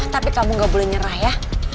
tapi kamu gak boleh nyerah ya